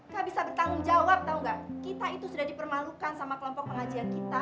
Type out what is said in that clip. gak bisa bertanggung jawab tahu nggak kita itu sudah dipermalukan sama kelompok pengajian kita